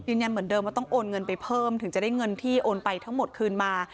ยืนยันเหมือนเดิมว่าต้องโอนเงินไปเพิ่มถึงจะได้เงินที่โอนไปทั้งหมดคืนมา